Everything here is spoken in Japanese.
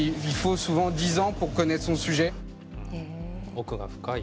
奥が深い。